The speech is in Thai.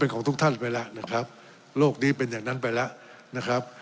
ของทุกท่านไปแล้วนะครับโลกนี้เป็นอย่างนั้นไปแล้วนะครับ